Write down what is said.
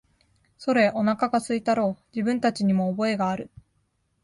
それ、おなかが空いたろう、自分たちにも覚えがある、